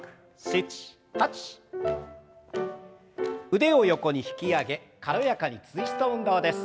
腕を横に引き上げ軽やかにツイスト運動です。